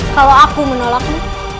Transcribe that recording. kalau aku menolakmu